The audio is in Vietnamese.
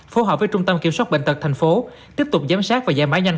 phù hợp với trung tâm kiểm soát bệnh tật tp tiếp tục giám sát và giải mã nhanh